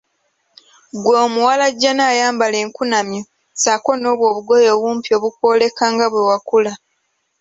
Ggwe omuwalajjana ayambala enkunamyo ssaako nobwo obugoye obumpi obukwoleka nga bwe wakula.